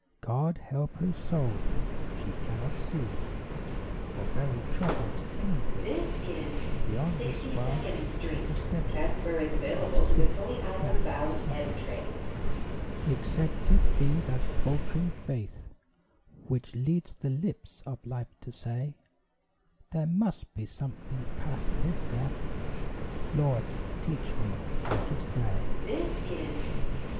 God help her soul! She cannot see, For very trouble, anything Beyond this wild Gethsemane Of swift, black suffering; Except it be that faltering faith Which leads the lips of life to say: "There must be something past this death Lord, teach me how to pray!"